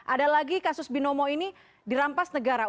ada lagi kasus binomo ini dirampas negara